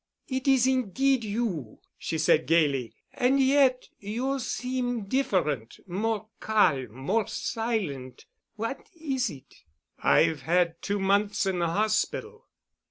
"It is indeed you," she said gayly, "and yet you seem different—more calm, more silent. What is it?" "I've had two months in the hospital."